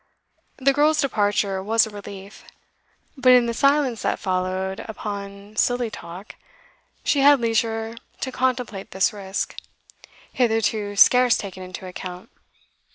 The girl's departure was a relief; but in the silence that followed upon silly talk, she had leisure to contemplate this risk, hitherto scarce taken into account.